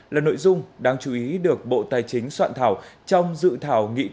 là nội dung đáng chú ý được bộ tài chính soạn thảo trong dự thảo nghị quản lý